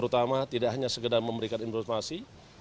terutama tidak hanya sekedar memberikan informasi